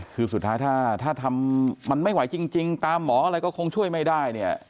คือสุดท้ายถ้าทำมันไม่ไหวจริงตามหมออะไรก็คงช่วยไม่ได้เนี่ย